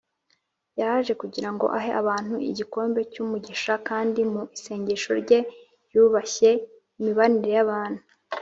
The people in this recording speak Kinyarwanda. . Yaje kugira ngo ahe abantu igikombe cy’umugisha, kandi mu isengesho rye yubashye imibanire y’abantu